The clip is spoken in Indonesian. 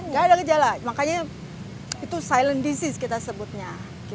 nggak ada gejala makanya itu silent disease kita sebutnya